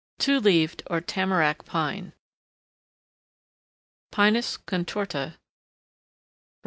TWO LEAVED, OR TAMARACK, PINE (Pinus contorta, var.